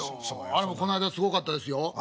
あれもこないだすごかったですよ。